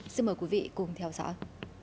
xin mời quý vị cùng theo dõi